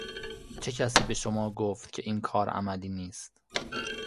چه کسی به شما گفت که این کار عملی نیست.